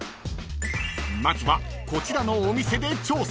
［まずはこちらのお店で調査］